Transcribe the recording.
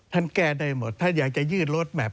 ท่านแก้ได้หมดท่านอยากจะยืดรถแมพ